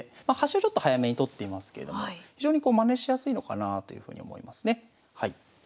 まあ端をちょっと早めに取っていますけれども非常にまねしやすいのかなというふうに思いますね。